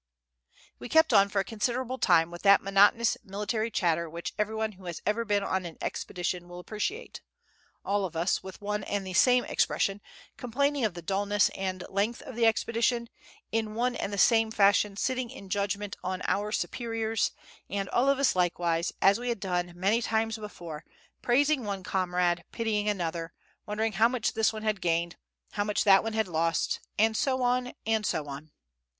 ] We kept on for a considerable time with that monotonous military chatter which every one who has ever been on an expedition will appreciate; all of us, with one and the same expression, complaining of the dullness and length of the expedition, in one and the same fashion sitting in judgment on our superiors, and all of us likewise, as we had done many times before, praising one comrade, pitying another, wondering how much this one had gained, how much that one had lost, and so on, and so on.